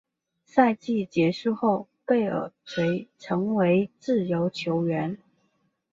赛季结束后贝尔垂成为自由球员。